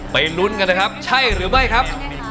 ลุ้นกันนะครับใช่หรือไม่ครับ